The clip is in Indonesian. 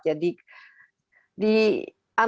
jadi juga peo ya